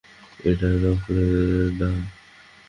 এটা নেকড়ে না।